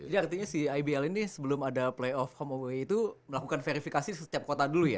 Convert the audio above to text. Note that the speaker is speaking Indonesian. jadi artinya si ibl ini sebelum ada play of homeaway itu melakukan verifikasi di setiap kota dulu ya